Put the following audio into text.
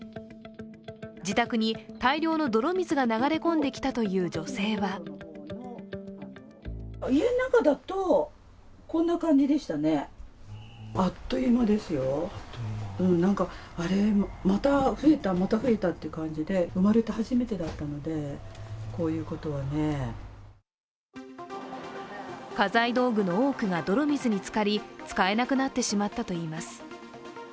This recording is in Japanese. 自宅に大量の泥水が流れ込んできたという女性は家財道具の多くが泥水につかり使えなくなってしまったといいます。